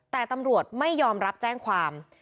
แต่ตำรวจไม่ยอมรับแจ้งความ